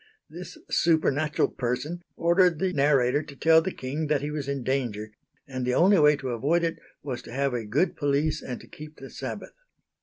This supernatural person ordered the narrator to tell the King that he was in danger, and the only way to avoid it was to have a good police and to keep the Sabbath.